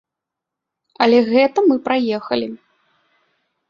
Але гэта мы праехалі.